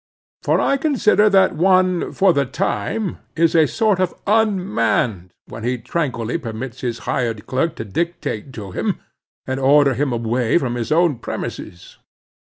For I consider that one, for the time, is a sort of unmanned when he tranquilly permits his hired clerk to dictate to him, and order him away from his own premises.